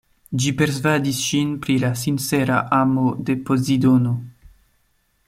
Ĝi persvadis ŝin pri la sincera amo de Pozidono.